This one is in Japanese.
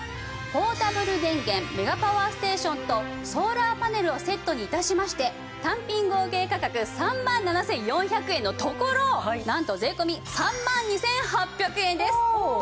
ポータブル電源メガパワーステーションとソーラーパネルをセットに致しまして単品合計価格３万７４００円のところなんと税込３万２８００円です。